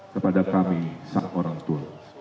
kepada kami seorang tuhan